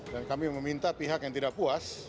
dan kami meminta pihak yang tidak puas